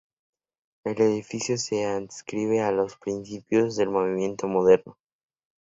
El edificio se adscribe a los principios del movimiento moderno.